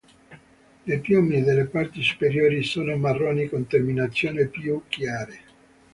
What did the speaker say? Le piume delle parti superiori sono marroni con terminazioni più chiare.